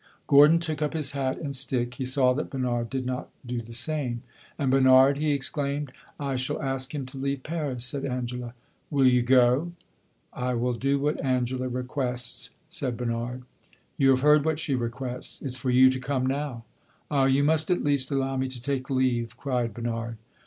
Gordon took up his hat and stick; he saw that Bernard did not do the same. "And Bernard?" he exclaimed. "I shall ask him to leave Paris," said Angela. "Will you go?" "I will do what Angela requests," said Bernard. "You have heard what she requests; it 's for you to come now." "Ah, you must at least allow me to take leave!" cried Bernard.